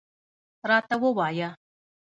راته ووایه.